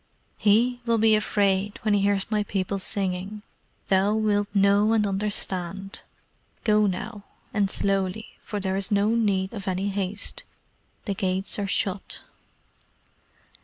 "HE will be afraid when he hears my people singing. Thou wilt know and understand. Go now, and slowly, for there is no need of any haste. The gates are shut."